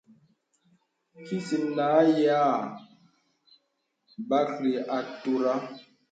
Kìsin nǎ yâ bāklì àturə.